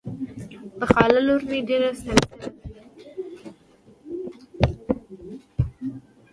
د خاله لور مې ډېره ستړې شوې ده.